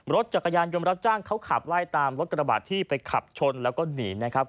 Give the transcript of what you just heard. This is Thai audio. รถจักรยานยนต์รับจ้างเขาขับไล่ตามรถกระบาดที่ไปขับชนแล้วก็หนีนะครับ